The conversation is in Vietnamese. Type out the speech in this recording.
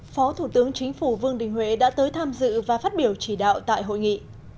phó thủ tướng chính phủ vương đình huệ đã tới tham dự và phát biểu chỉ đạo tại hội nghị